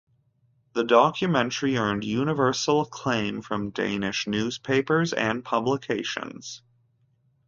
The documentary earned universal acclaim from Danish newspapers and publications.